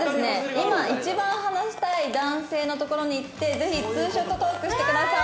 今一番話したい男性のところに行ってぜひツーショットトークしてください」